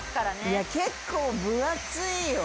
いや結構分厚いよ。